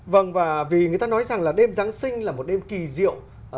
vâng và vì người ta nói rằng là đêm giáng sinh là một đêm kỳ diệu